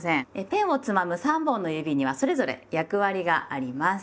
ペンをつまむ３本の指にはそれぞれ役割があります。